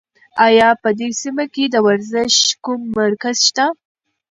ایا په دې سیمه کې د ورزش کوم مرکز شته؟